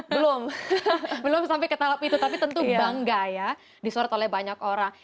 belum belum sampai ke tahap itu tapi tentu bangga ya disorot oleh banyak orang